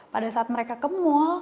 pada saat mereka kemul